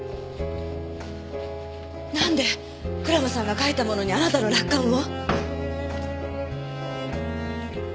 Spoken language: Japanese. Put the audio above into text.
なんで蔵間さんが書いたものにあなたの落款を？